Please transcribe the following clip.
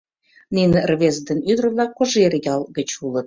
Нине рвезе ден ӱдыр-влак Кожеръял гыч улыт.